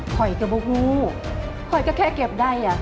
ข่อยก็บูหูข่อยก็แค่เก็บได้